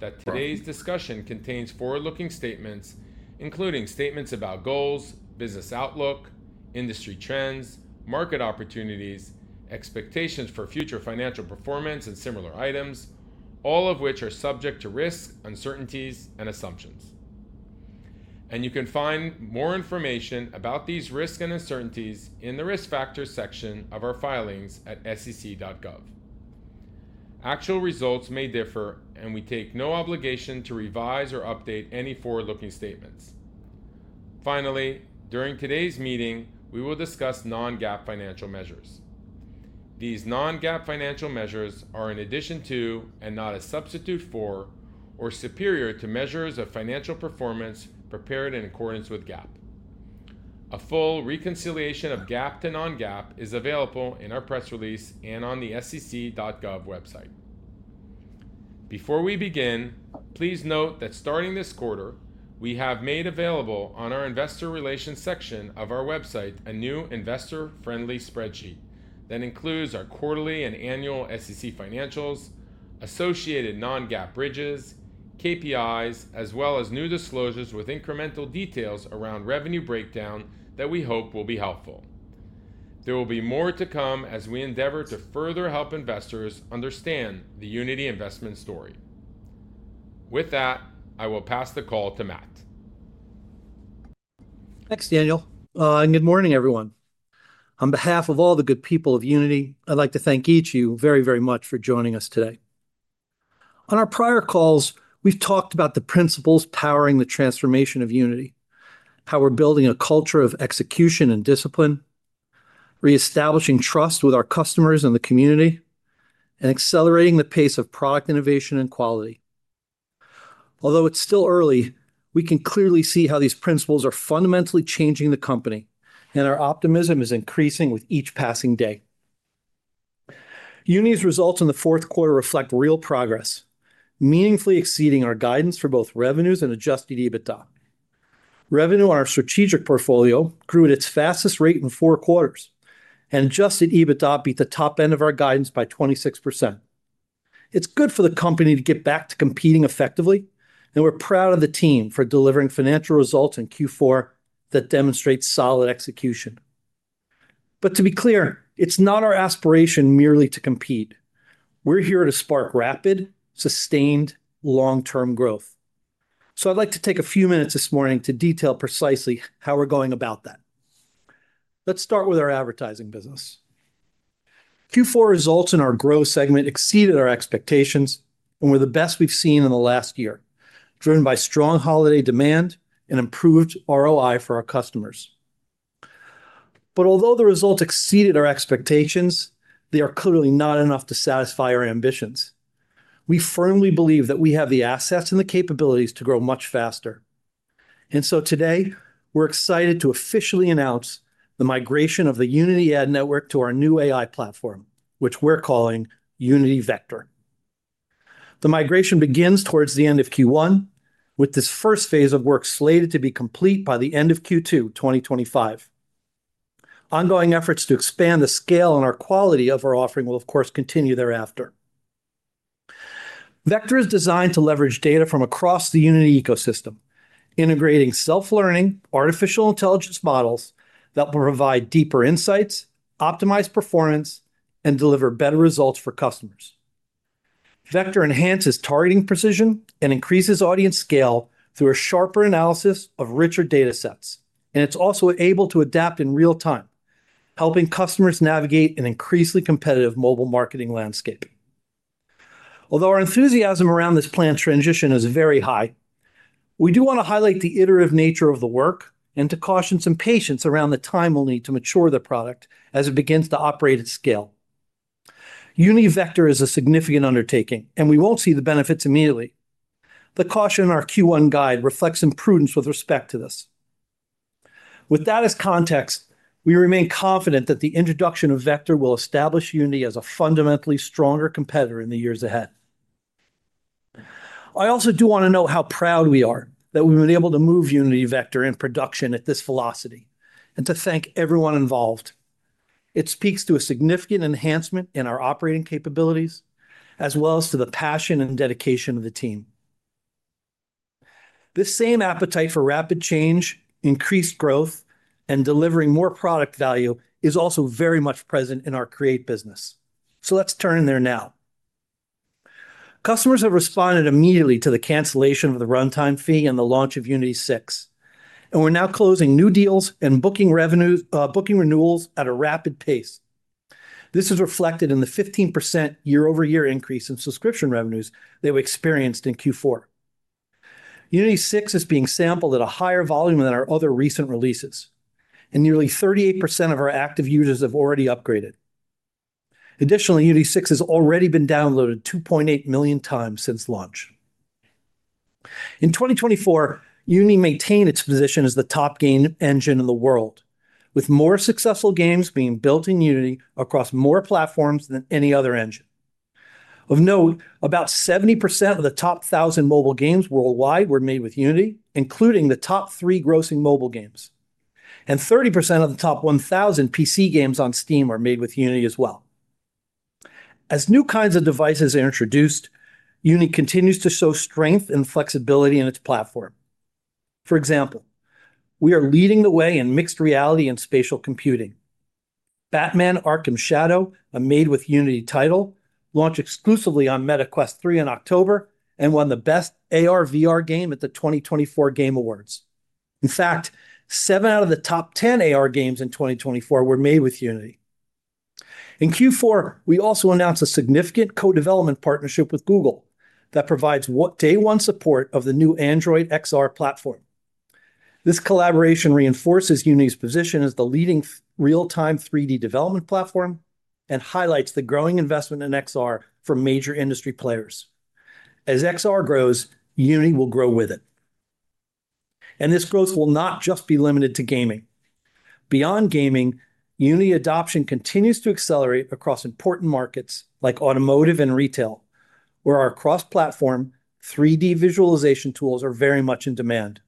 That today's discussion contains forward-looking statements, including statements about goals, business outlook, industry trends, market opportunities, expectations for future financial performance, and similar items, all of which are subject to risk, uncertainties, and assumptions. And you can find more information about these risks and uncertainties in the risk factors section of our filings at sec.gov. Actual results may differ, and we take no obligation to revise or update any forward-looking statements. Finally, during today's meeting, we will discuss non-GAAP financial measures. These non-GAAP financial measures are in addition to, and not a substitute for, or superior to measures of financial performance prepared in accordance with GAAP. A full reconciliation of GAAP to non-GAAP is available in our press release and on the sec.gov website. Before we begin, please note that starting this quarter, we have made available on our investor relations section of our website a new investor-friendly spreadsheet that includes our quarterly and annual SEC financials, associated Non-GAAP bridges, KPIs, as well as new disclosures with incremental details around revenue breakdown that we hope will be helpful. There will be more to come as we endeavor to further help investors understand the Unity investment story. With that, I will pass the call to Matt. Thanks, Daniel. And good morning, everyone. On behalf of all the good people of Unity, I'd like to thank each of you very, very much for joining us today. On our prior calls, we've talked about the principles powering the transformation of Unity, how we're building a culture of execution and discipline, reestablishing trust with our customers and the community, and accelerating the pace of product innovation and quality. Although it's still early, we can clearly see how these principles are fundamentally changing the company, and our optimism is increasing with each passing day. Unity's results in the fourth quarter reflect real progress, meaningfully exceeding our guidance for both revenues and adjusted EBITDA. Revenue on our strategic portfolio grew at its fastest rate in four quarters, and adjusted EBITDA beat the top end of our guidance by 26%. It's good for the company to get back to competing effectively, and we're proud of the team for delivering financial results in Q4 that demonstrate solid execution. But to be clear, it's not our aspiration merely to compete. We're here to spark rapid, sustained, long-term growth. So I'd like to take a few minutes this morning to detail precisely how we're going about that. Let's start with our advertising business. Q4 results in our growth segment exceeded our expectations and were the best we've seen in the last year, driven by strong holiday demand and improved ROI for our customers. But although the results exceeded our expectations, they are clearly not enough to satisfy our ambitions. We firmly believe that we have the assets and the capabilities to grow much faster. Today, we're excited to officially announce the migration of the Unity ad network to our new AI platform, which we're calling Unity Vector. The migration begins towards the end of Q1, with this first phase of work slated to be complete by the end of Q2 2025. Ongoing efforts to expand the scale and our quality of our offering will, of course, continue thereafter. Vector is designed to leverage data from across the Unity ecosystem, integrating self-learning artificial intelligence models that will provide deeper insights, optimize performance, and deliver better results for customers. Vector enhances targeting precision and increases audience scale through a sharper analysis of richer data sets, and it's also able to adapt in real time, helping customers navigate an increasingly competitive mobile marketing landscape. Although our enthusiasm around this planned transition is very high, we do want to highlight the iterative nature of the work and to caution some patience around the time we'll need to mature the product as it begins to operate at scale. Unity Vector is a significant undertaking, and we won't see the benefits immediately. The caution in our Q1 guide reflects some prudence with respect to this. With that as context, we remain confident that the introduction of Vector will establish Unity as a fundamentally stronger competitor in the years ahead. I also do want to note how proud we are that we've been able to move Unity Vector in production at this velocity and to thank everyone involved. It speaks to a significant enhancement in our operating capabilities, as well as to the passion and dedication of the team. This same appetite for rapid change, increased growth, and delivering more product value is also very much present in our Create business. So let's turn in there now. Customers have responded immediately to the cancellation of the runtime fee and the launch of Unity 6, and we're now closing new deals and booking renewals at a rapid pace. This is reflected in the 15% year-over-year increase in subscription revenues they've experienced in Q4. Unity 6 is being sampled at a higher volume than our other recent releases, and nearly 38% of our active users have already upgraded. Additionally, Unity 6 has already been downloaded 2.8 million times since launch. In 2024, Unity maintained its position as the top game engine in the world, with more successful games being built in Unity across more platforms than any other engine. Of note, about 70% of the top 1,000 mobile games worldwide were made with Unity, including the top three grossing mobile games, and 30% of the top 1,000 PC games on Steam are made with Unity as well. As new kinds of devices are introduced, Unity continues to show strength and flexibility in its platform. For example, we are leading the way in mixed reality and spatial computing. Batman: Arkham Shadow, a made-with-Unity title, launched exclusively on Meta Quest 3 in October and won the best AR/VR game at the 2024 Game Awards. In fact, seven out of the top 10 AR games in 2024 were made with Unity. In Q4, we also announced a significant co-development partnership with Google that provides day-one support of the new Android XR platform. This collaboration reinforces Unity's position as the leading real-time 3D development platform and highlights the growing investment in XR from major industry players. As XR grows, Unity will grow with it, and this growth will not just be limited to gaming. Beyond gaming, Unity adoption continues to accelerate across important markets like automotive and retail, where our cross-platform 3D visualization tools are very much in demand.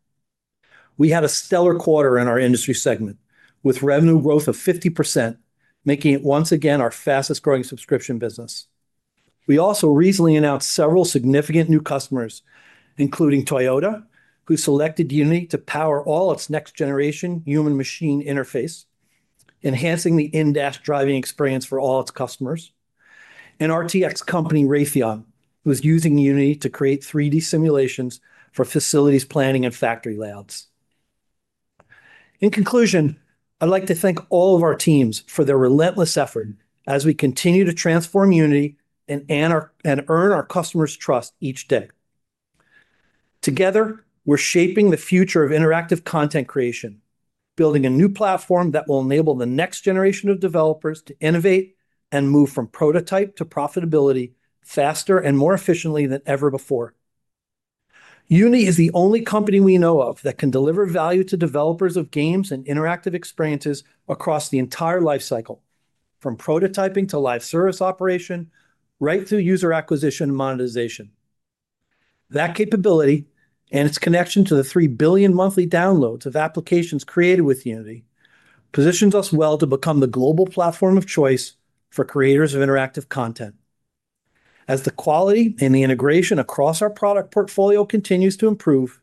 We had a stellar quarter in our industry segment, with revenue growth of 50%, making it once again our fastest-growing subscription business. We also recently announced several significant new customers, including Toyota, who selected Unity to power all its next-generation human-machine interface, enhancing the in-car driving experience for all its customers, and our RTX company, Raytheon, who is using Unity to create 3D simulations for facilities planning and factory layouts. In conclusion, I'd like to thank all of our teams for their relentless effort as we continue to transform Unity and earn our customers' trust each day. Together, we're shaping the future of interactive content creation, building a new platform that will enable the next generation of developers to innovate and move from prototype to profitability faster and more efficiently than ever before. Unity is the only company we know of that can deliver value to developers of games and interactive experiences across the entire lifecycle, from prototyping to live service operation, right through user acquisition and monetization. That capability and its connection to the 3 billion monthly downloads of applications created with Unity positions us well to become the global platform of choice for creators of interactive content. As the quality and the integration across our product portfolio continues to improve,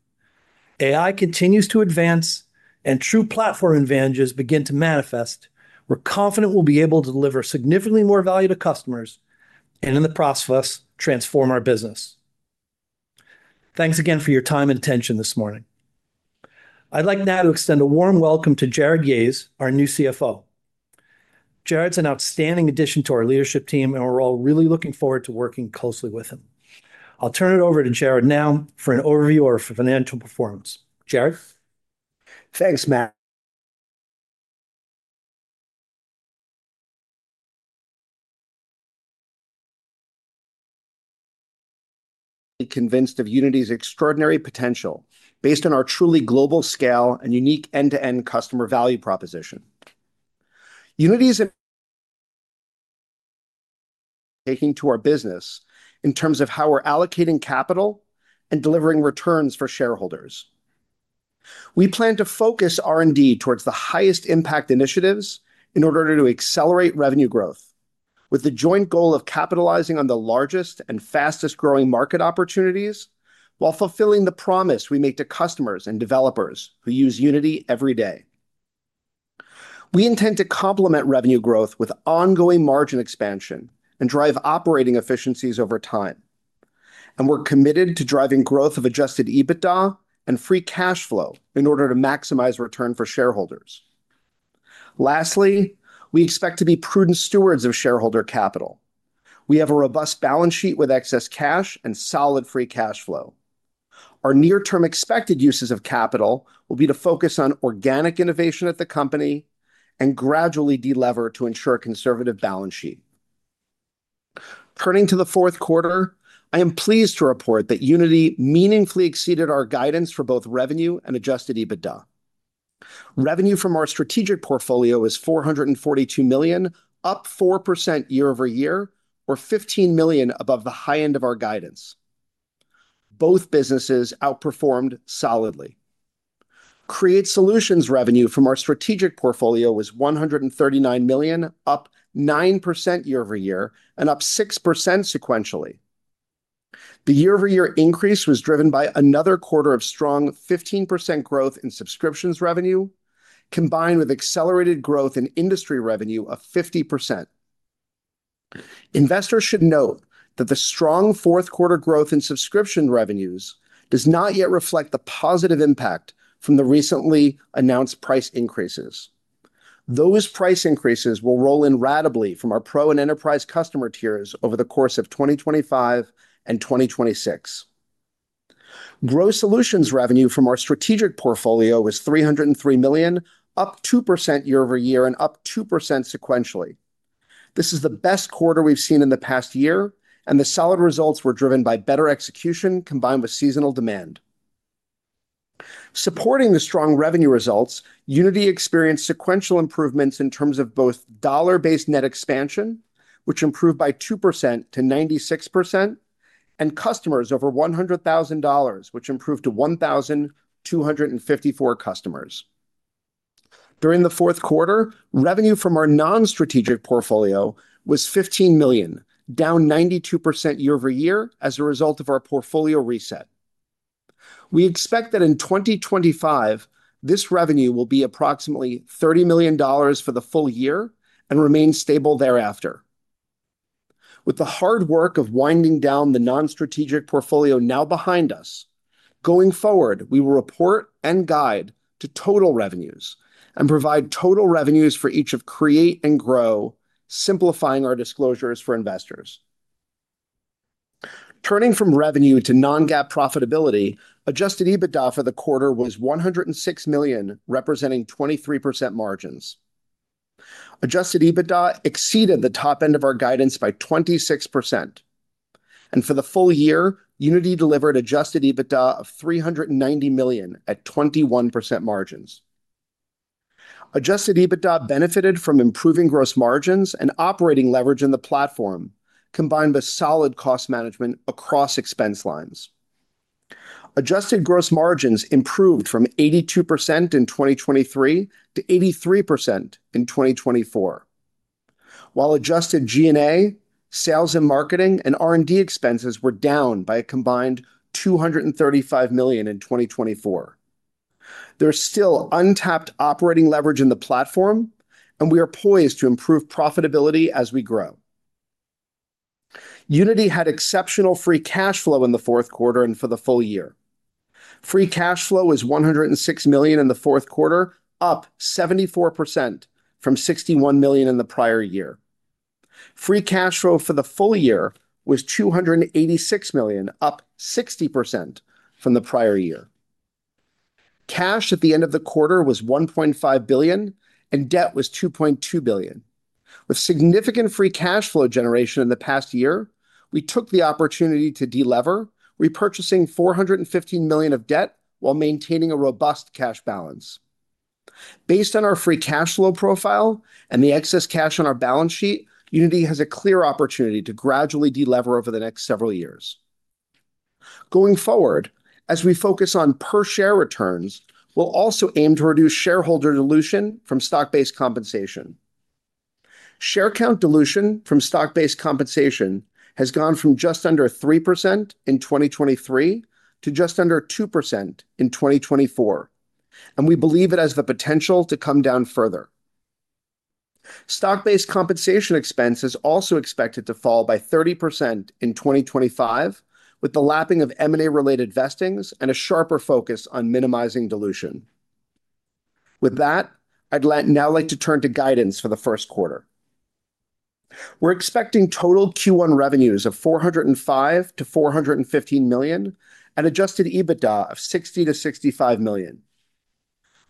AI continues to advance, and true platform advantages begin to manifest, we're confident we'll be able to deliver significantly more value to customers and, in the process, transform our business. Thanks again for your time and attention this morning. I'd like now to extend a warm welcome to Jarrod Yahes, our new CFO. Jarrod's an outstanding addition to our leadership team, and we're all really looking forward to working closely with him. I'll turn it over to Jarrod now for an overview of our financial performance. Jarrod? Thanks, Matt. Convinced of Unity's extraordinary potential based on our truly global scale and unique end-to-end customer value proposition. Unity's taking to our business in terms of how we're allocating capital and delivering returns for shareholders. We plan to focus R&D towards the highest impact initiatives in order to accelerate revenue growth, with the joint goal of capitalizing on the largest and fastest-growing market opportunities while fulfilling the promise we make to customers and developers who use Unity every day. We intend to complement revenue growth with ongoing margin expansion and drive operating efficiencies over time. And we're committed to driving growth of adjusted EBITDA and free cash flow in order to maximize return for shareholders. Lastly, we expect to be prudent stewards of shareholder capital. We have a robust balance sheet with excess cash and solid free cash flow. Our near-term expected uses of capital will be to focus on organic innovation at the company and gradually delever to ensure a conservative balance sheet. Turning to the fourth quarter, I am pleased to report that Unity meaningfully exceeded our guidance for both revenue and adjusted EBITDA. Revenue from our strategic portfolio is $442 million, up 4% year-over-year, or $15 million above the high end of our guidance. Both businesses outperformed solidly. Create Solutions revenue from our strategic portfolio was $139 million, up 9% year-over-year and up 6% sequentially. The year-over-year increase was driven by another quarter of strong 15% growth in subscriptions revenue, combined with accelerated growth in industry revenue of 50%. Investors should note that the strong fourth-quarter growth in subscription revenues does not yet reflect the positive impact from the recently announced price increases. Those price increases will roll in radically from our Pro and Enterprise customer tiers over the course of 2025 and 2026. Grow Solutions revenue from our strategic portfolio was $303 million, up 2% year-over-year and up 2% sequentially. This is the best quarter we've seen in the past year, and the solid results were driven by better execution combined with seasonal demand. Supporting the strong revenue results, Unity experienced sequential improvements in terms of both dollar-based net expansion, which improved by 2% to 96%, and customers over $100,000, which improved to 1,254 customers. During the fourth quarter, revenue from our non-strategic portfolio was $15 million, down 92% year-over-year as a result of our portfolio reset. We expect that in 2025, this revenue will be approximately $30 million for the full year and remain stable thereafter. With the hard work of winding down the non-strategic portfolio now behind us, going forward, we will report and guide to total revenues and provide total revenues for each of create and grow, simplifying our disclosures for investors. Turning from revenue to non-GAAP profitability, adjusted EBITDA for the quarter was $106 million, representing 23% margins. Adjusted EBITDA exceeded the top end of our guidance by 26%, and for the full year, Unity delivered adjusted EBITDA of $390 million at 21% margins. Adjusted EBITDA benefited from improving gross margins and operating leverage in the platform, combined with solid cost management across expense lines. Adjusted gross margins improved from 82% in 2023 to 83% in 2024, while adjusted G&A, sales, and marketing, and R&D expenses were down by a combined $235 million in 2024. There's still untapped operating leverage in the platform, and we are poised to improve profitability as we grow. Unity had exceptional free cash flow in the fourth quarter and for the full year. Free cash flow was $106 million in the fourth quarter, up 74% from $61 million in the prior year. Free cash flow for the full year was $286 million, up 60% from the prior year. Cash at the end of the quarter was $1.5 billion, and debt was $2.2 billion. With significant free cash flow generation in the past year, we took the opportunity to delever, repurchasing $415 million of debt while maintaining a robust cash balance. Based on our free cash flow profile and the excess cash on our balance sheet, Unity has a clear opportunity to gradually delever over the next several years. Going forward, as we focus on per-share returns, we'll also aim to reduce shareholder dilution from stock-based compensation. Share count dilution from stock-based compensation has gone from just under 3% in 2023 to just under 2% in 2024, and we believe it has the potential to come down further. Stock-based compensation expense is also expected to fall by 30% in 2025, with the lapping of M&A-related vestings and a sharper focus on minimizing dilution. With that, I'd now like to turn to guidance for the first quarter. We're expecting total Q1 revenues of $405 million-$415 million and adjusted EBITDA of $60 million-$65 million.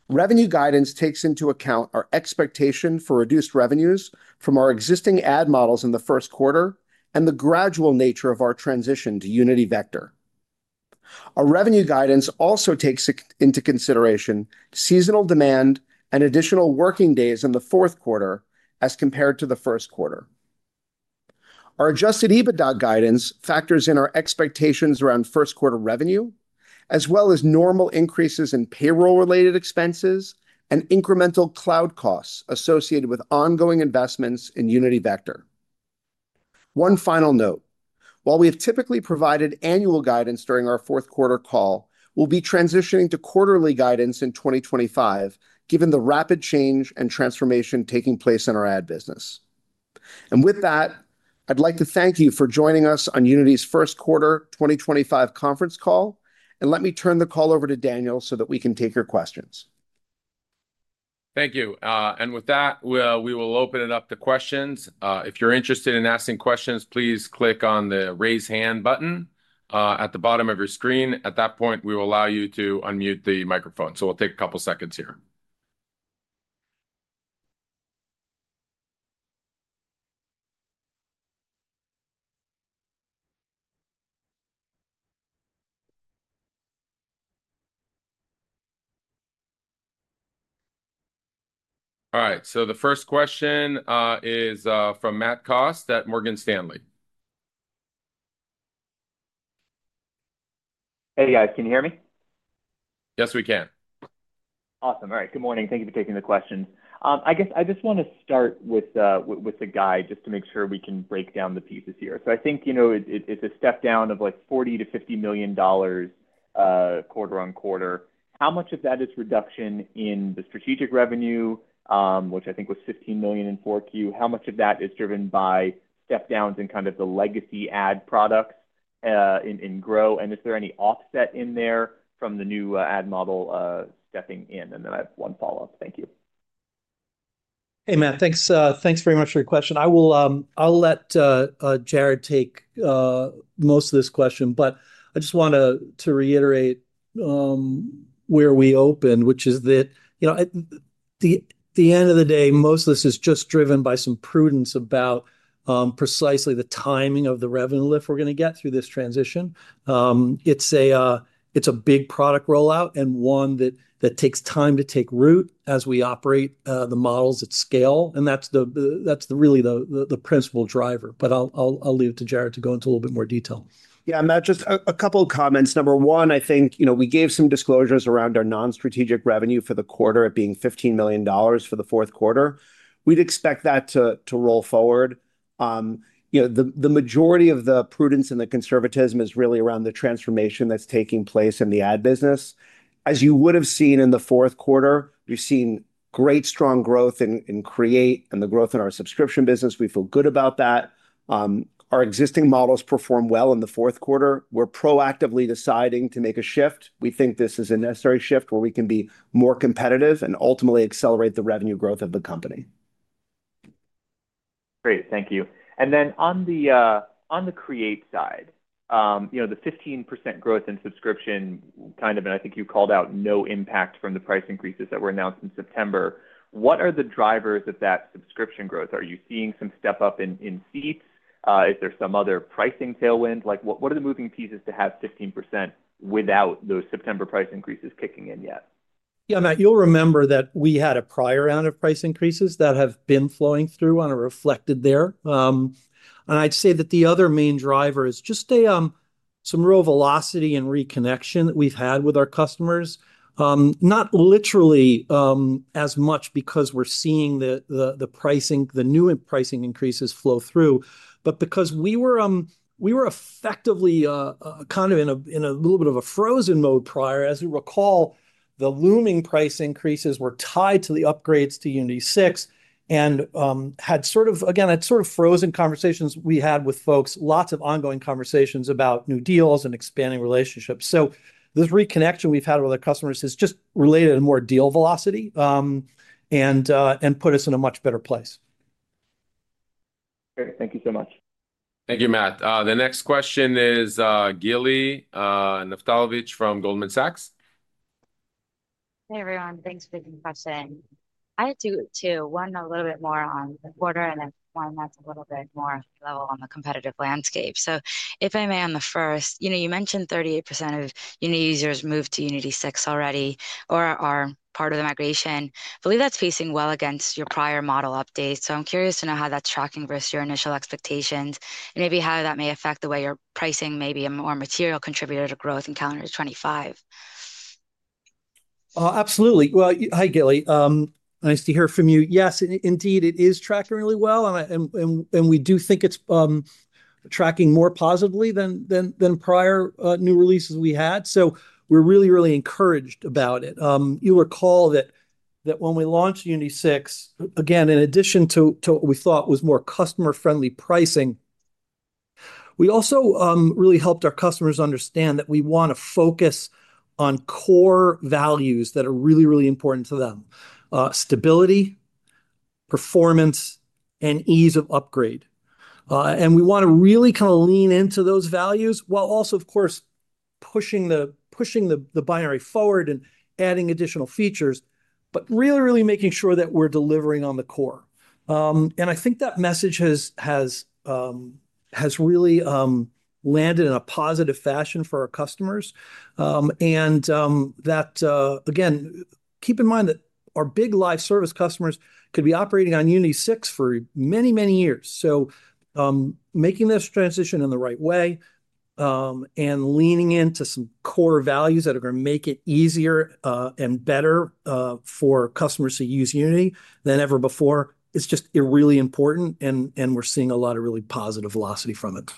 Revenue guidance takes into account our expectation for reduced revenues from our existing ad models in the first quarter and the gradual nature of our transition to Unity Vector. Our revenue guidance also takes into consideration seasonal demand and additional working days in the fourth quarter as compared to the first quarter. Our adjusted EBITDA guidance factors in our expectations around first quarter revenue, as well as normal increases in payroll-related expenses and incremental cloud costs associated with ongoing investments in Unity Vector. One final note: while we have typically provided annual guidance during our fourth-quarter call, we'll be transitioning to quarterly guidance in 2025, given the rapid change and transformation taking place in our ad business. And with that, I'd like to thank you for joining us on Unity's first quarter 2025 conference call. And let me turn the call over to Daniel so that we can take your questions. Thank you. And with that, we will open it up to questions. If you're interested in asking questions, please click on the raise hand button at the bottom of your screen. At that point, we will allow you to unmute the microphone. So we'll take a couple of seconds here. All right. So the first question is from Matt Cost at Morgan Stanley. Hey, guys. Can you hear me? Yes, we can. Awesome. All right. Good morning. Thank you for taking the questions. I guess I just want to start with the guide just to make sure we can break down the pieces here. So I think it's a step down of like $40 million-$50 million quarter on quarter. How much of that is a reduction in the strategic revenue, which I think was $15 million in Q4? How much of that is driven by step-downs in kind of the legacy ad products in Grow? And is there any offset in there from the new ad model stepping in? And then I have one follow-up. Thank you. Hey, Matt. Thanks very much for your question. I'll let Jarrod take most of this question, but I just want to reiterate where we open, which is that at the end of the day, most of this is just driven by some prudence about precisely the timing of the revenue lift we're going to get through this transition. It's a big product rollout and one that takes time to take root as we operate the models at scale. And that's really the principal driver, but I'll leave it to Jarrod to go into a little bit more detail. Yeah, Matt, just a couple of comments. Number one, I think we gave some disclosures around our non-strategic revenue for the quarter of being $15 million for the fourth quarter. We'd expect that to roll forward. The majority of the prudence and the conservatism is really around the transformation that's taking place in the ad business. As you would have seen in the fourth quarter, we've seen great, strong growth in Create and the growth in our subscription business. We feel good about that. Our existing models perform well in the fourth quarter. We're proactively deciding to make a shift. We think this is a necessary shift where we can be more competitive and ultimately accelerate the revenue growth of the company. Great. Thank you. And then on the Create side, the 15% growth in subscription, and I think you called out no impact from the price increases that were announced in September. What are the drivers of that subscription growth? Are you seeing some step up in seats? Is there some other pricing tailwind? What are the moving pieces to have 15% without those September price increases kicking in yet? Yeah, Matt, you'll remember that we had a prior round of price increases that have been flowing through, and it's reflected there. And I'd say that the other main driver is just some real velocity and reconnection that we've had with our customers. Not literally as much because we're seeing the new pricing increases flow through, but because we were effectively kind of in a little bit of a frozen mode prior. As you recall, the looming price increases were tied to the upgrades to Unity 6 and had sort of frozen conversations we had with folks, lots of ongoing conversations about new deals and expanding relationships, so this reconnection we've had with our customers has just related to more deal velocity and put us in a much better place. Great. Thank you so much. Thank you, Matt. The next question is Gili Naftalovich from Goldman Sachs. Hey, everyone. Thanks for the question. I had two, one a little bit more on the quarter and then one that's a little bit more level on the competitive landscape. So, if I may, on the first, you mentioned 38% of Unity users moved to Unity 6 already or are part of the migration. I believe that's pacing well against your prior model updates. So I'm curious to know how that's tracking versus your initial expectations and maybe how that may affect the way your pricing may be a more material contributor to growth in calendar 2025? Absolutely. Well, hi, Gili. Nice to hear from you. Yes, indeed, it is tracking really well. And we do think it's tracking more positively than prior new releases we had. So we're really, really encouraged about it. You'll recall that when we launched Unity 6, again, in addition to what we thought was more customer-friendly pricing, we also really helped our customers understand that we want to focus on core values that are really, really important to them: stability, performance, and ease of upgrade. And we want to really kind of lean into those values while also, of course, pushing the boundary forward and adding additional features, but really, really making sure that we're delivering on the core. And I think that message has really landed in a positive fashion for our customers. And that, again, keep in mind that our big live service customers could be operating on Unity 6 for many, many years. So making this transition in the right way and leaning into some core values that are going to make it easier and better for customers to use Unity than ever before, it's just really important. And we're seeing a lot of really positive velocity from it.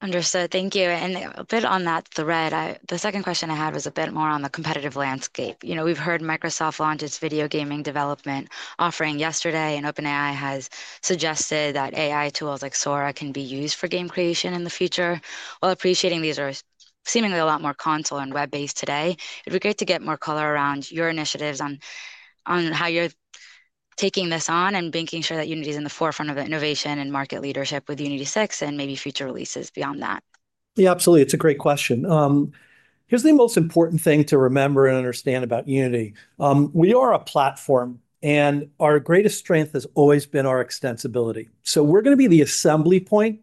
Understood. Thank you. And a bit on that thread, the second question I had was a bit more on the competitive landscape. We've heard Microsoft launch its video gaming development offering yesterday, and OpenAI has suggested that AI tools like Sora can be used for game creation in the future. While appreciating, these are seemingly a lot more console and web-based today, it'd be great to get more color around your initiatives on how you're taking this on and making sure that Unity is in the forefront of the innovation and market leadership with Unity 6 and maybe future releases beyond that. Yeah, absolutely. It's a great question. Here's the most important thing to remember and understand about Unity. We are a platform, and our greatest strength has always been our extensibility. So we're going to be the assembly point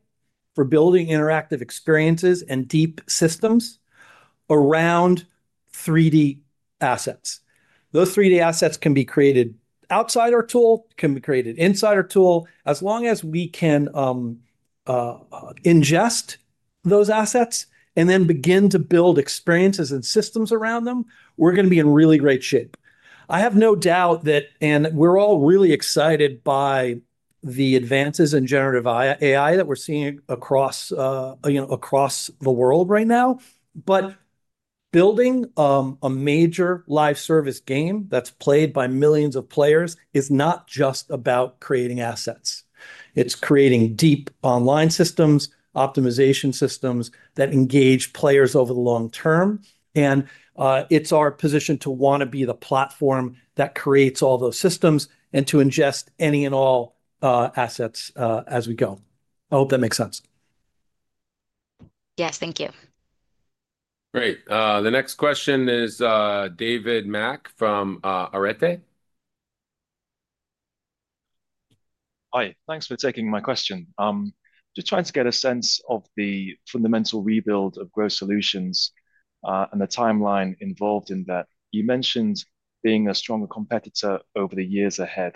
for building interactive experiences and deep systems around 3D assets. Those 3D assets can be created outside our tool, can be created inside our tool. As long as we can ingest those assets and then begin to build experiences and systems around them, we're going to be in really great shape. I have no doubt that, and we're all really excited by the advances in generative AI that we're seeing across the world right now. But building a major live service game that's played by millions of players is not just about creating assets. It's creating deep online systems, optimization systems that engage players over the long term. It's our position to want to be the platform that creates all those systems and to ingest any and all assets as we go. I hope that makes sense. Yes, thank you. Great. The next question is David Mak from Arete. Hi. Thanks for taking my question. Just trying to get a sense of the fundamental rebuild of Grow Solutions and the timeline involved in that. You mentioned being a stronger competitor over the years ahead.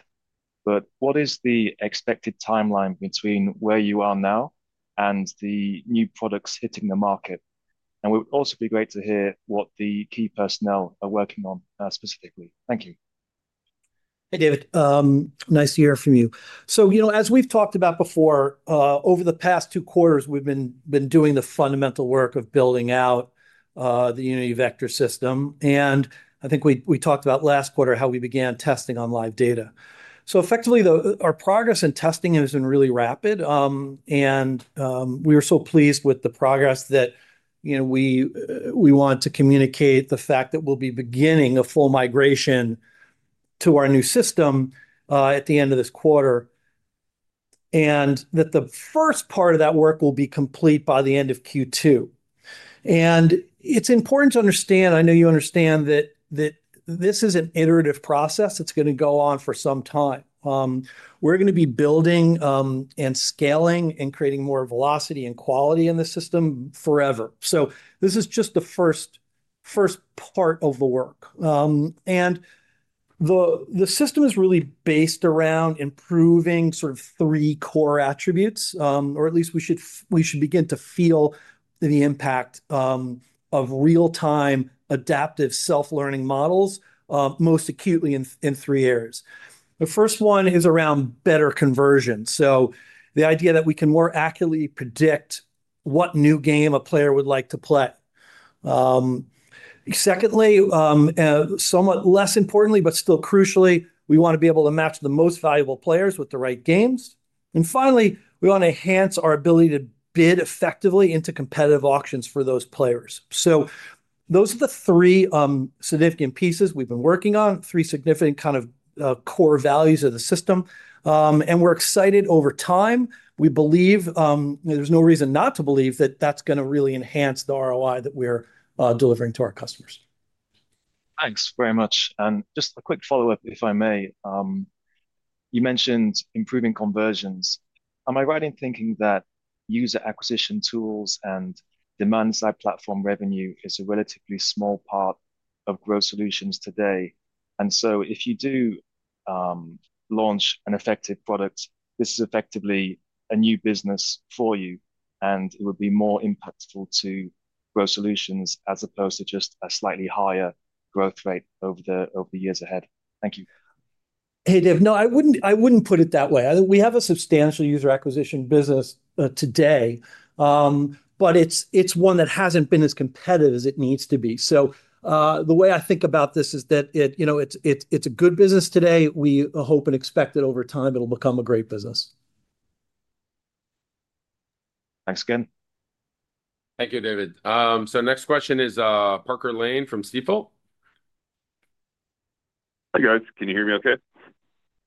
But what is the expected timeline between where you are now and the new products hitting the market? And it would also be great to hear what the key personnel are working on specifically. Thank you. Hey, David. Nice to hear from you. So, as we've talked about before, over the past two quarters, we've been doing the fundamental work of building out the Unity Vector system. And I think we talked about last quarter how we began testing on live data. So effectively, our progress in testing has been really rapid. And we were so pleased with the progress that we want to communicate the fact that we'll be beginning a full migration to our new system at the end of this quarter and that the first part of that work will be complete by the end of Q2. And it's important to understand, I know you understand that this is an iterative process. It's going to go on for some time. We're going to be building and scaling and creating more velocity and quality in the system forever. This is just the first part of the work. The system is really based around improving sort of three core attributes, or at least we should begin to feel the impact of real-time adaptive self-learning models most acutely in three areas. The first one is around better conversion. The idea that we can more accurately predict what new game a player would like to play. Secondly, somewhat less importantly, but still crucially, we want to be able to match the most valuable players with the right games. Finally, we want to enhance our ability to bid effectively into competitive auctions for those players. Those are the three significant pieces we've been working on, three significant kind of core values of the system. We're excited over time. We believe there's no reason not to believe that that's going to really enhance the ROI that we're delivering to our customers. Thanks very much, and just a quick follow-up, if I may. You mentioned improving conversions. Am I right in thinking that user acquisition tools and demand-side platform revenue is a relatively small part of Grow Solutions today? And so if you do launch an effective product, this is effectively a new business for you, and it would be more impactful to Grow Solutions as opposed to just a slightly higher growth rate over the years ahead. Thank you. Hey, Dave. No, I wouldn't put it that way. We have a substantial user acquisition business today, but it's one that hasn't been as competitive as it needs to be. So the way I think about this is that it's a good business today. We hope and expect that over time, it'll become a great business. Thank you, David. So, next question is Parker Lane from Stifel. Hi, guys. Can you hear me okay?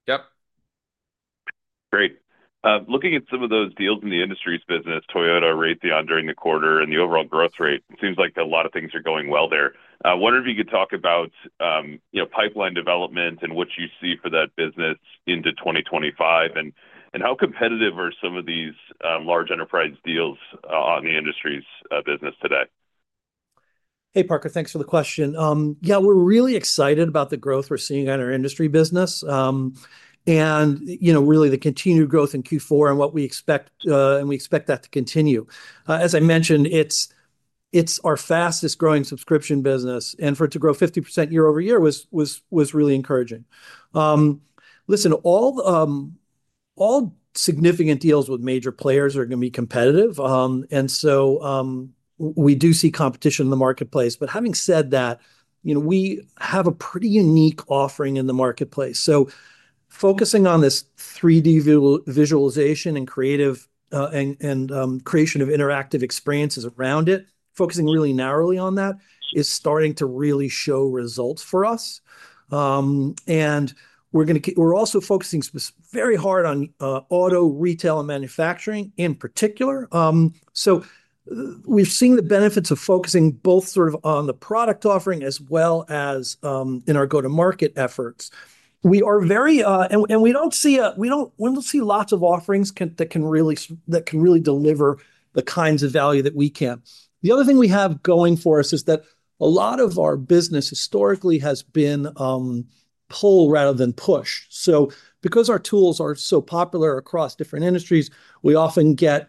Yep. Great. Looking at some of those deals in the industries business, Toyota, Raytheon during the quarter, and the overall growth rate, it seems like a lot of things are going well there. I wonder if you could talk about pipeline development and what you see for that business into 2025, and how competitive are some of these large enterprise deals on the industries business today? Hey, Parker. Thanks for the question. Yeah, we're really excited about the growth we're seeing on our industry business and really the continued growth in Q4, and we expect that to continue. As I mentioned, it's our fastest-growing subscription business, and for it to grow 50% year-over-year was really encouraging. Listen, all significant deals with major players are going to be competitive, and so we do see competition in the marketplace, but having said that, we have a pretty unique offering in the marketplace, so focusing on this 3D visualization and creation of interactive experiences around it, focusing really narrowly on that, is starting to really show results for us, and we're also focusing very hard on auto, retail, and manufacturing in particular, so we've seen the benefits of focusing both sort of on the product offering as well as in our go-to-market efforts. We are very, and we don't see lots of offerings that can really deliver the kinds of value that we can. The other thing we have going for us is that a lot of our business historically has been pull rather than push. So, because our tools are so popular across different industries, we often get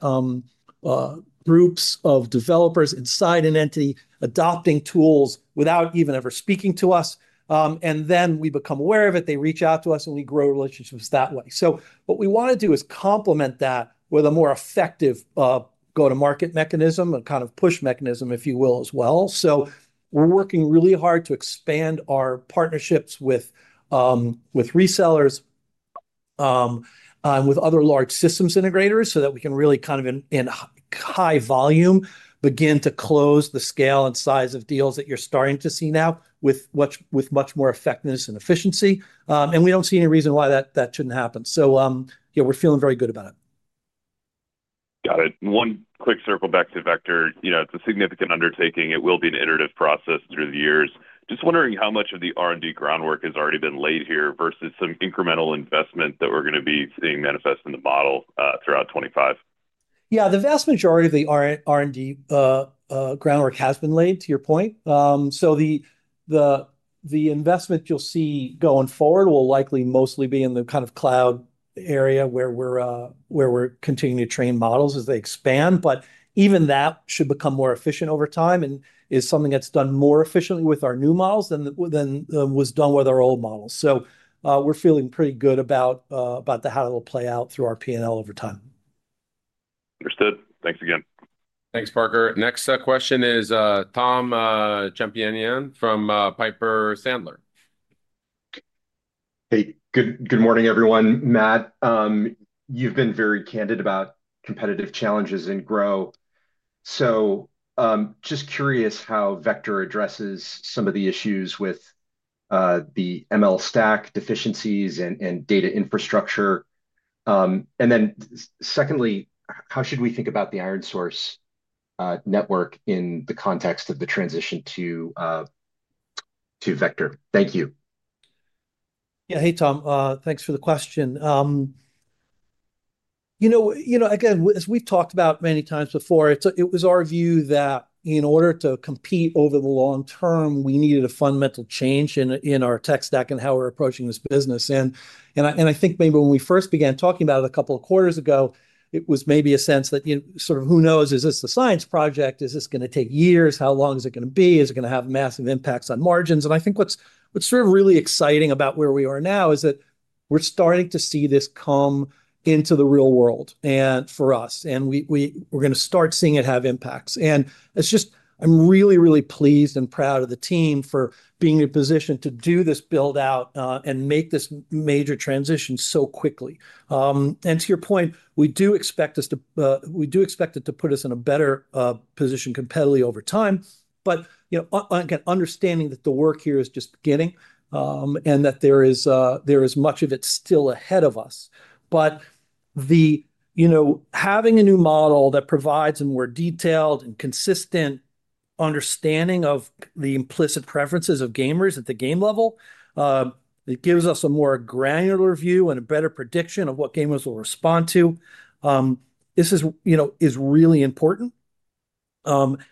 groups of developers inside an entity adopting tools without even ever speaking to us. And then we become aware of it. They reach out to us, and we grow relationships that way. So what we want to do is complement that with a more effective go-to-market mechanism, a kind of push mechanism, if you will, as well. So we're working really hard to expand our partnerships with resellers and with other large systems integrators so that we can really kind of in high volume begin to close the scale and size of deals that you're starting to see now with much more effectiveness and efficiency. And we don't see any reason why that shouldn't happen. So we're feeling very good about it. Got it. One quick circle back to Vector. It's a significant undertaking. It will be an iterative process through the years. Just wondering how much of the R&D groundwork has already been laid here versus some incremental investment that we're going to be seeing manifest in the model throughout 2025? Yeah, the vast majority of the R&D groundwork has been laid, to your point. So the investment you'll see going forward will likely mostly be in the kind of cloud area where we're continuing to train models as they expand. But even that should become more efficient over time and is something that's done more efficiently with our new models than was done with our old models. So we're feeling pretty good about how it'll play out through our P&L over time. Understood. Thanks again. Thanks, Parker. Next question is Tom Champion from Piper Sandler. Hey, good morning, everyone. Matt, you've been very candid about competitive challenges in Grow. So, just curious how Vector addresses some of the issues with the ML stack deficiencies and data infrastructure. And then secondly, how should we think about the ironSource network in the context of the transition to Vector? Thank you. Yeah, hey, Tom. Thanks for the question. Again, as we've talked about many times before, it was our view that in order to compete over the long term, we needed a fundamental change in our tech stack and how we're approaching this business. And I think maybe when we first began talking about it a couple of quarters ago, it was maybe a sense that sort of, who knows, is this a science project? Is this going to take years? How long is it going to be? Is it going to have massive impacts on margins? And I think what's sort of really exciting about where we are now is that we're starting to see this come into the real world for us. And we're going to start seeing it have impacts. I'm really, really pleased and proud of the team for being in a position to do this build-out and make this major transition so quickly. To your point, we do expect it to put us in a better position competitively over time. Again, understanding that the work here is just beginning and that there is much of it still ahead of us. Having a new model that provides a more detailed and consistent understanding of the implicit preferences of gamers at the game level, it gives us a more granular view and a better prediction of what gamers will respond to. This is really important.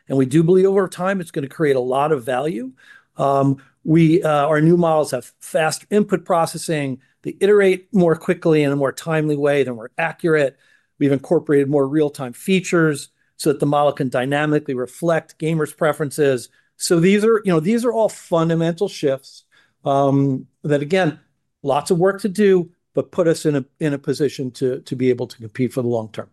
We do believe over time, it's going to create a lot of value. Our new models have faster input processing. They iterate more quickly in a more timely way. They're more accurate. We've incorporated more real-time features so that the model can dynamically reflect gamers' preferences. So these are all fundamental shifts that, again, lots of work to do, but put us in a position to be able to compete for the long term.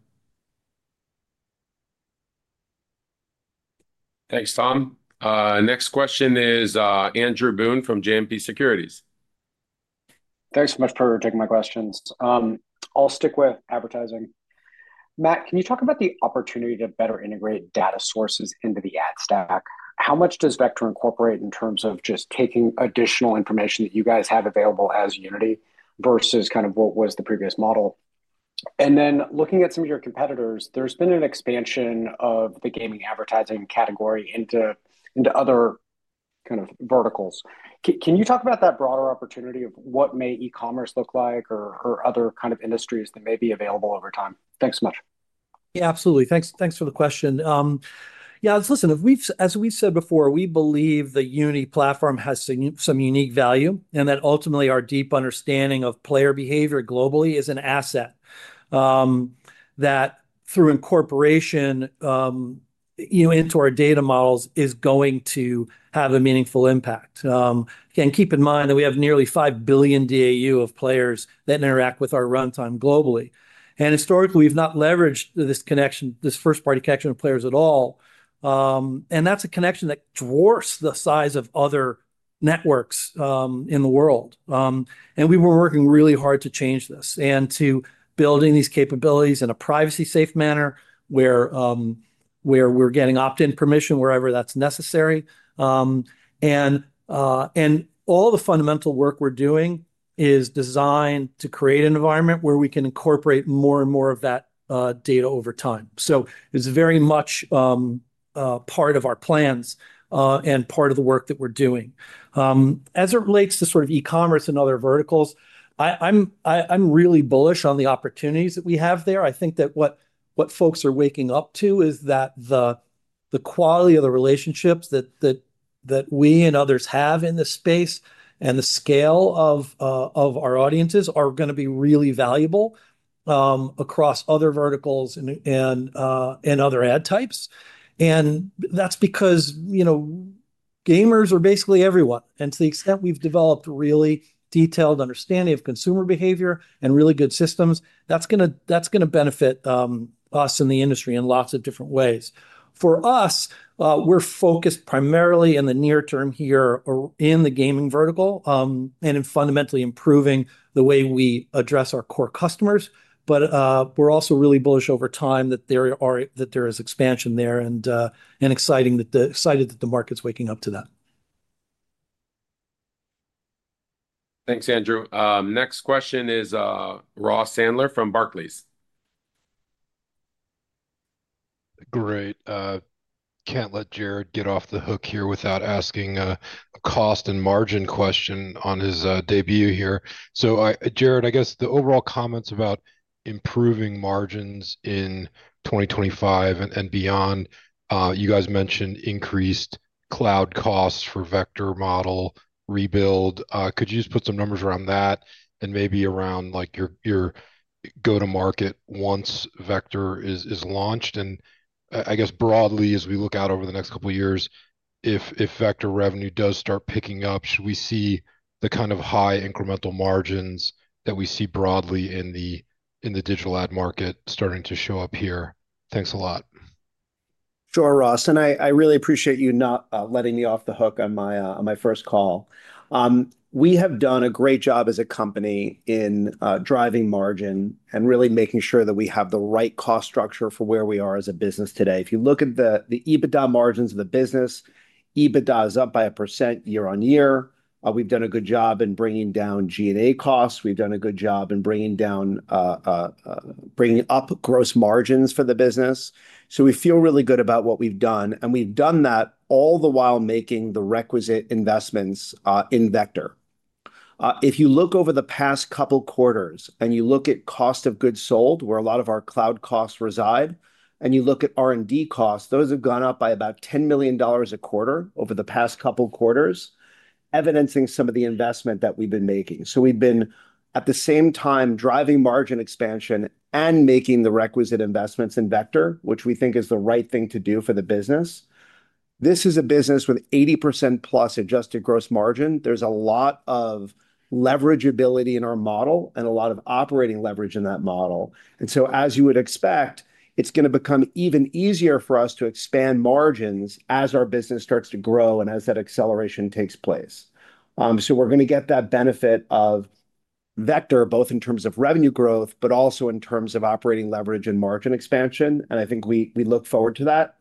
Thanks, Tom. Next question is Andrew Boone from JMP Securities. Thanks so much for taking my questions. I'll stick with advertising. Matt, can you talk about the opportunity to better integrate data sources into the ad stack? How much does Vector incorporate in terms of just taking additional information that you guys have available as Unity versus kind of what was the previous model? And then looking at some of your competitors, there's been an expansion of the gaming advertising category into other kind of verticals. Can you talk about that broader opportunity of what may e-commerce look like or other kind of industries that may be available over time? Thanks so much. Yeah, absolutely. Thanks for the question. Yeah, listen, as we've said before, we believe the Unity platform has some unique value and that ultimately our deep understanding of player behavior globally is an asset that through incorporation into our data models is going to have a meaningful impact. Again, keep in mind that we have nearly 5 billion DAU of players that interact with our runtime globally. And historically, we've not leveraged this first-party connection with players at all. And that's a connection that dwarfs the size of other networks in the world. And we were working really hard to change this and to building these capabilities in a privacy-safe manner where we're getting opt-in permission wherever that's necessary. And all the fundamental work we're doing is designed to create an environment where we can incorporate more and more of that data over time. So it's very much part of our plans and part of the work that we're doing. As it relates to sort of e-commerce and other verticals, I'm really bullish on the opportunities that we have there. I think that what folks are waking up to is that the quality of the relationships that we and others have in this space and the scale of our audiences are going to be really valuable across other verticals and other ad types. And that's because gamers are basically everyone. And to the extent we've developed a really detailed understanding of consumer behavior and really good systems, that's going to benefit us in the industry in lots of different ways. For us, we're focused primarily in the near term here in the gaming vertical and in fundamentally improving the way we address our core customers. But we're also really bullish over time that there is expansion there and excited that the market's waking up to that. Thanks, Andrew. Next question is Ross Sandler from Barclays. Great. Can't let Jarrod get off the hook here without asking a cost and margin question on his debut here. So Jarrod, I guess the overall comments about improving margins in 2025 and beyond, you guys mentioned increased cloud costs for Vector model rebuild. Could you just put some numbers around that and maybe around your go-to-market once Vector is launched? And I guess broadly, as we look out over the next couple of years, if Vector revenue does start picking up, should we see the kind of high incremental margins that we see broadly in the digital ad market starting to show up here? Thanks a lot. Sure, Ross. And I really appreciate you not letting me off the hook on my first call. We have done a great job as a company in driving margin and really making sure that we have the right cost structure for where we are as a business today. If you look at the EBITDA margins of the business, EBITDA is up by 1% year-on-year. We've done a good job in bringing down G&A costs. We've done a good job in bringing up gross margins for the business. So we feel really good about what we've done. And we've done that all the while making the requisite investments in Vector. If you look over the past couple of quarters and you look at cost of goods sold, where a lot of our cloud costs reside, and you look at R&D costs, those have gone up by about $10 million a quarter over the past couple of quarters, evidencing some of the investment that we've been making. So we've been, at the same time, driving margin expansion and making the requisite investments in Vector, which we think is the right thing to do for the business. This is a business with 80%+ adjusted gross margin. There's a lot of leverage ability in our model and a lot of operating leverage in that model. And so as you would expect, it's going to become even easier for us to expand margins as our business starts to grow and as that acceleration takes place. So we're going to get that benefit of Vector both in terms of revenue growth, but also in terms of operating leverage and margin expansion. And I think we look forward to that.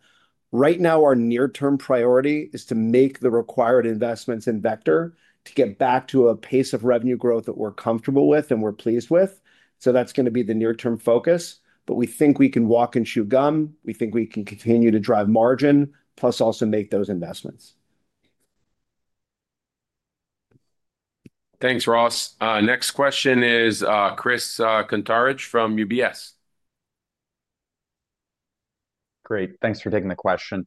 Right now, our near-term priority is to make the required investments in Vector to get back to a pace of revenue growth that we're comfortable with and we're pleased with. So that's going to be the near-term focus. But we think we can walk and chew gum. We think we can continue to drive margin, plus also make those investments. Thanks, Ross. Next question is Chris Kuntarich from UBS. Great. Thanks for taking the question.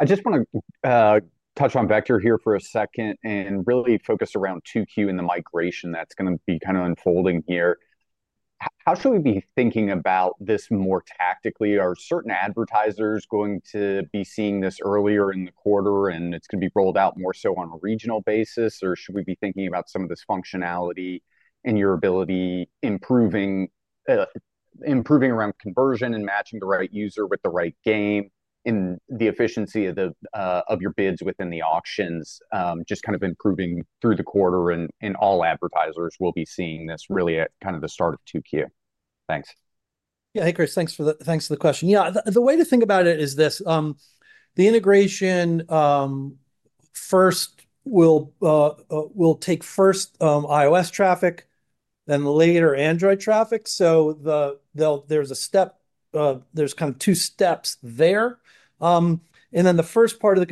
I just want to touch on Vector here for a second and really focus around 2Q and the migration that's going to be kind of unfolding here. How should we be thinking about this more tactically? Are certain advertisers going to be seeing this earlier in the quarter, and it's going to be rolled out more so on a regional basis, or should we be thinking about some of this functionality and your ability improving around conversion and matching the right user with the right game in the efficiency of your bids within the auctions, just kind of improving through the quarter, and all advertisers will be seeing this really at kind of the start of 2Q. Thanks. Yeah, hey, Chris, thanks for the question. Yeah, the way to think about it is this: the integration will take first iOS traffic, then later Android traffic. So there's kind of two steps there. And then the first part of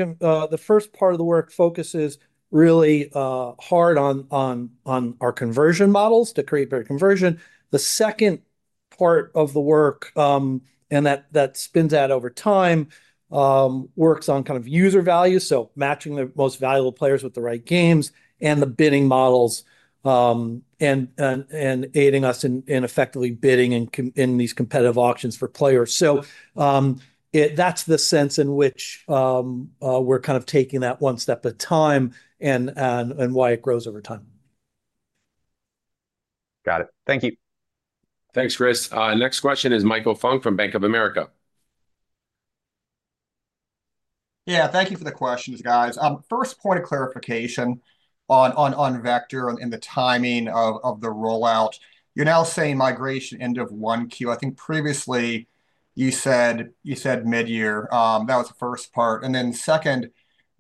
the work focuses really hard on our conversion models to create better conversion. The second part of the work, and that spins out over time, works on kind of user value, so matching the most valuable players with the right games and the bidding models and aiding us in effectively bidding in these competitive auctions for players. So that's the sense in which we're kind of taking that one step at a time and why it grows over time. Got it. Thank you. Thanks, Chris. Next question is Michael Funk from Bank of America. Yeah, thank you for the questions, guys. First point of clarification on Vector and the timing of the rollout. You're now saying migration end of 1Q. I think previously you said mid-year. That was the first part. And then second,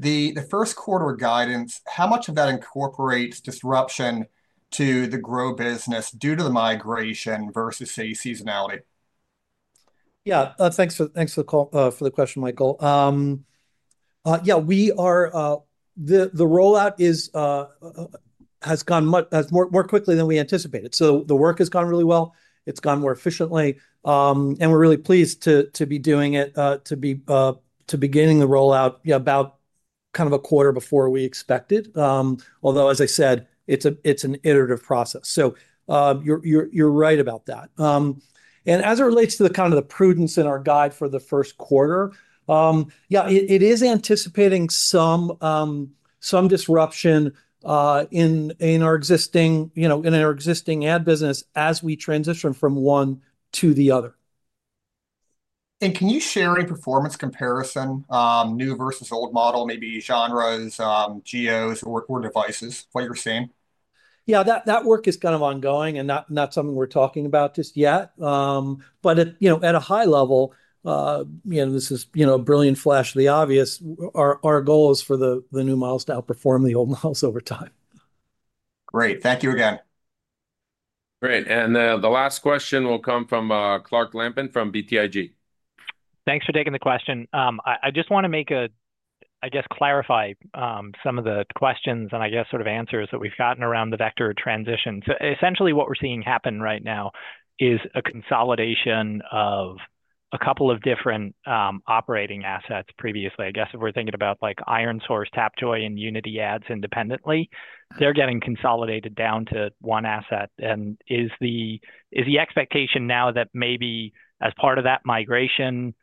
the first-quarter guidance, how much of that incorporates disruption to the Grow business due to the migration versus, say, seasonality? Yeah, thanks for the question, Michael. Yeah, the rollout has gone more quickly than we anticipated. So the work has gone really well. It's gone more efficiently. And we're really pleased to be doing it, to beginning the rollout about kind of a quarter before we expected, although, as I said, it's an iterative process. So you're right about that. And as it relates to the kind of prudence in our guide for the first quarter, yeah, it is anticipating some disruption in our existing ad business as we transition from one to the other. Can you share a performance comparison, new versus old model, maybe genres, geos, or devices, what you're seeing? Yeah, that work is kind of ongoing and not something we're talking about just yet. But at a high-level, this is a brilliant flash of the obvious. Our goal is for the new models to outperform the old models over time. Great. Thank you again. Great. And the last question will come from Clark Lampen from BTIG. Thanks for taking the question. I just want to make, I guess, clarify some of the questions and, I guess, sort of answers that we've gotten around the Vector transition. So essentially, what we're seeing happen right now is a consolidation of a couple of different operating assets previously. I guess if we're thinking about like ironSource, Tapjoy, and Unity ads independently, they're getting consolidated down to one asset. And is the expectation now that maybe as part of that migration,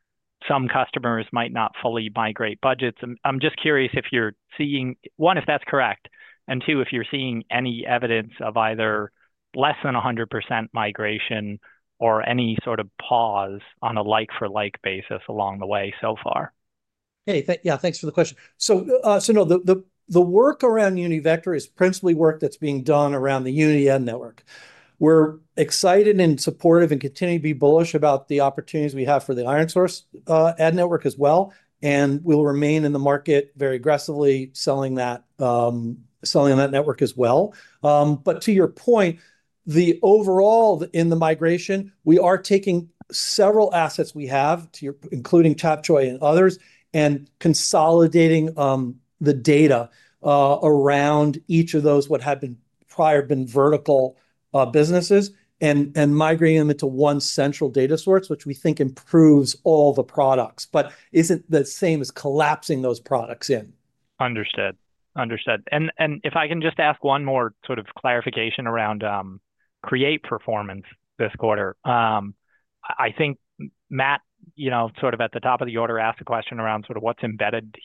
some customers might not fully migrate budgets? I'm just curious if you're seeing, one, if that's correct, and two, if you're seeing any evidence of either less than 100% migration or any sort of pause on a like-for-like basis along the way so far? Yeah, thanks for the question. So no, the work around Unity Vector is principally work that's being done around the Unity ad network. We're excited and supportive and continue to be bullish about the opportunities we have for the ironSource ad network as well. And we'll remain in the market very aggressively, selling on that network as well. But to your point, overall in the migration, we are taking several assets we have, including Tapjoy and others, and consolidating the data around each of those what had prior been vertical businesses and migrating them into one central data source, which we think improves all the products, but isn't the same as collapsing those products in. Understood. Understood. And if I can just ask one more sort of clarification around Create performance this quarter, I think Matt, sort of at the top of the order, asked a question around sort of what's embedded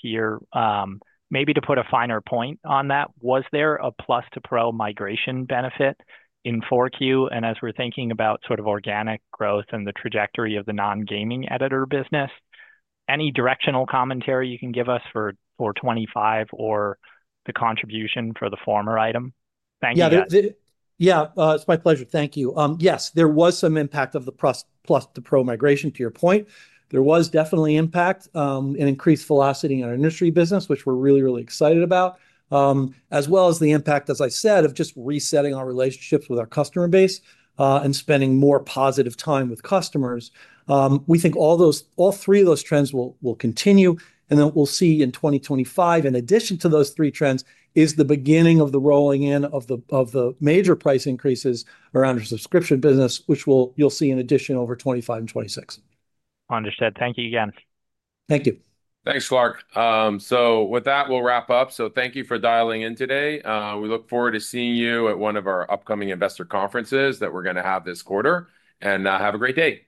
here. Maybe to put a finer point on that, was there a Plus-to-Pro migration benefit in 4Q? And as we're thinking about sort of organic growth and the trajectory of the non-gaming editor business, any directional commentary you can give us for 2025 or the contribution for the former item? Thank you. Yeah, it's my pleasure. Thank you. Yes, there was some impact of the Plus-to-Pro migration to your point. There was definitely impact and increased velocity in our industry business, which we're really, really excited about, as well as the impact, as I said, of just resetting our relationships with our customer base and spending more positive time with customers. We think all three of those trends will continue, and then what we'll see in 2025, in addition to those three trends, is the beginning of the rolling in of the major price increases around our subscription business, which you'll see in addition over 2025 and 2026. Understood. Thank you again. Thank you. Thanks, Clark. So with that, we'll wrap up. So thank you for dialing in today. We look forward to seeing you at one of our upcoming investor conferences that we're going to have this quarter. And have a great day.